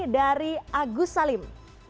dari agus salim